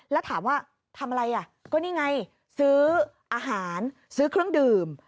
แล้วถามว่าทำอะไรอ่ะก็นี่ไงซื้ออาหารซื้อเครื่องดื่ม